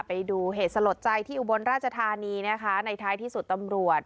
ไปดูเหตุสลดใจที่อุบลราชธานีนะคะในท้ายที่สุดตำรวจ